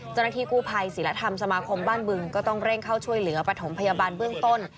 เจ้าหน้าที่กู้ภัยศิลธรรมสมาคมบ้านบึงก็ต้องเร่งเข้าช่วยเหลือประถมพยาบาลเบื้องต้น